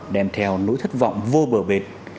đem theo nỗi thất vọng vô bờ bệt